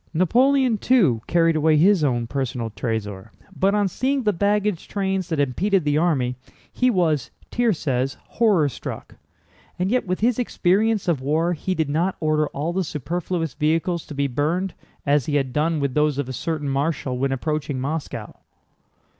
Napoleon, too, carried away his own personal trésor, but on seeing the baggage trains that impeded the army, he was (Thiers says) horror struck. And yet with his experience of war he did not order all the superfluous vehicles to be burned, as he had done with those of a certain marshal when approaching Moscow.